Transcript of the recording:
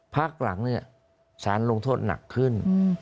พักหลังเนี่ยสารลงโทษหนักขึ้น